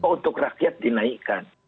untuk rakyat dinaikkan